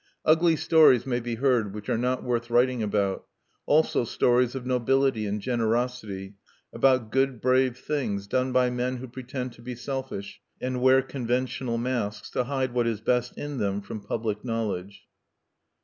Ugly stories may be heard which are not worth writing about; also stories of nobility and generosity about good brave things done by men who pretend to be selfish, and wear conventional masks to hide what is best in them from public knowledge.